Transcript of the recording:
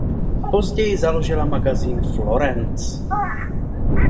Později založila magazín "Florence".